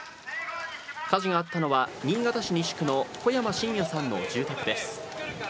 火事があったのは、新潟市西区の小山晋哉さんの住宅です。